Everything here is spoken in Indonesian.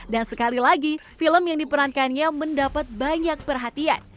dan sekali lagi film yang diperankannya mendapat banyak perhatian